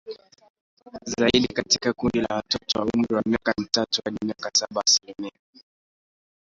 zaidi Katika kundi la watoto wa umri wa miaka mitatu hadi miaka saba asilimia